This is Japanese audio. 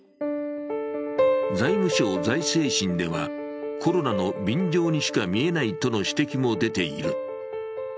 財務省・財政審では、コロナの便乗にしか見えないとの指摘も出ている。